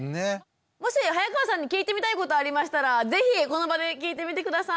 もし早川さんに聞いてみたいことありましたら是非この場で聞いてみて下さい。